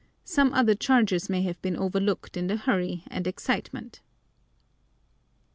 Some other charges may have been overlooked in the hurry and excitement.